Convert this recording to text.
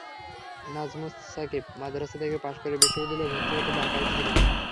নাজমুস সাকিব মাদ্রাসা থেকে পাস করে বিশ্ববিদ্যালয়ে ভর্তি হতে ঢাকা এসেছিলেন।